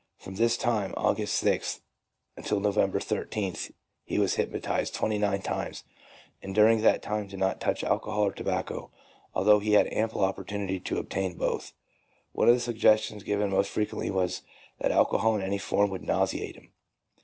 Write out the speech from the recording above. From this time, August 6th, until November 13th, he was hypnotized twenty nine times, and during that time did not touch alcohol or tobacco, although he had ample opportunity to obtain both. One of the suggestions given most frequently was that alco hol in any form would nauseate him.